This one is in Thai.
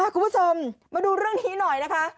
คุณผู้ชมมาดูเรื่องนี้หน่อยนะคะ